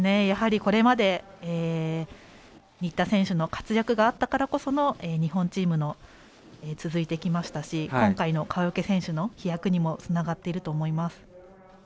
やはりこれまで新田選手の活躍があったからこそ日本チーム続いてきましたし今回の川除選手の飛躍にもつながっていると思います。